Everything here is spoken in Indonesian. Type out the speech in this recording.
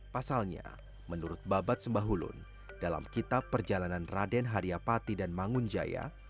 pasalnya menurut babat sembahulun dalam kitab perjalanan raden hariapati dan mangunjaya